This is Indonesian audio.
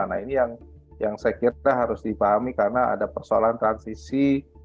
nah ini yang saya kira harus dipahami karena ada persoalan transisi